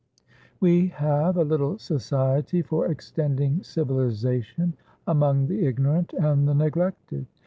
"We have a little society for extending civilisation among the ignorant and the neglected.